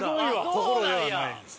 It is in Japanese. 「心」ではないです。